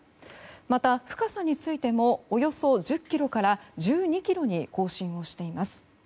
また、深さについてもおよそ１０ｋｍから１２ｋｍに更新をしています。